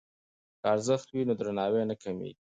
که ارزښت وي نو درناوی نه کمېږي.